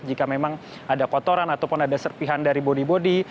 jika memang ada kotoran ataupun ada serpihan dari bodi bodi